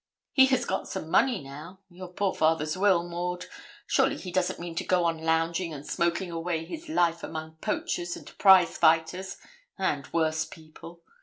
He has got some money now your poor father's will, Maud. Surely he doesn't mean to go on lounging and smoking away his life among poachers, and prize fighters, and worse people.